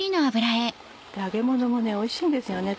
揚げものもおいしいんですよね